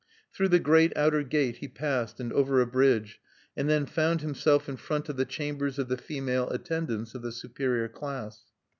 Through the great outer gate he passed, and over a bridge, and then found himself in front of the chambers of the female attendants of the superior class.